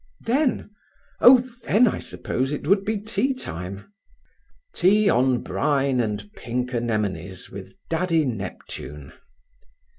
"Then? Oh, then, I suppose, it would be tea time." "Tea on brine and pink anemones, with Daddy Neptune."